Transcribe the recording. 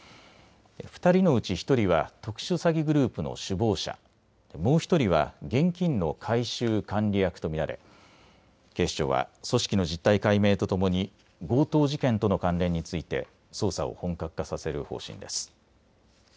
２人のうち１人は特殊詐欺グループの首謀者、もう１人は現金の回収・管理役と見られ警視庁は組織の実態解明とともに強盗事件との関連について捜査を本格化させる方針です。